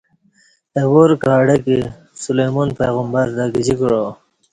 اہ وار کاڈکہ سلیمان پیغبرتہ گجی کعا